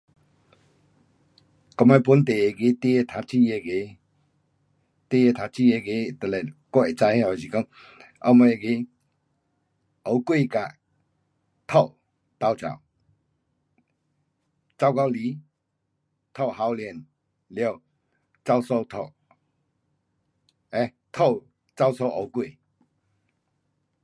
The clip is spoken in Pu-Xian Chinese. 我们本地那个孩儿读书那个，孩儿读书那个就是我会知晓的是讲，我们那个乌龟跟兔斗跑。跑到来，兔浩恋，了跑输兔，诶，兔跑输乌龟。